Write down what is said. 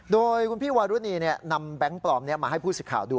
โดยคุณพี่วารุณีนำแบงค์ปลอมนี้มาให้ผู้สิทธิ์ข่าวดู